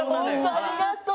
ありがとう。